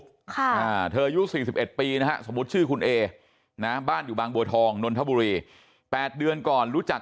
ค่าเธอยูก๔๑ปีนะครับสมมติชื่อคนเอมาบ้านอยู่บางบัวทองนณพบุรี๘เดือนก่อนรู้จัก